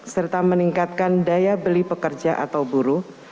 serta meningkatkan daya beli pekerja atau buruh